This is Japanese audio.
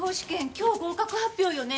今日合格発表よね？